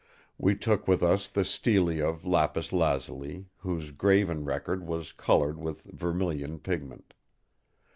We took with us the Stele of lapis lazuli, whose graven record was coloured with vermilion pigment.